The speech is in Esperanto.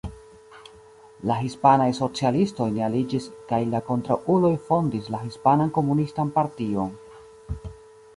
La hispanaj socialistoj ne aliĝis kaj la kontraŭuloj fondis la Hispanan Komunistan Partion.